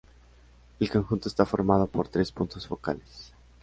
El conjunto está formado por tres puntos focales.